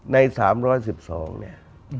ใน๓๑๒เนี่ย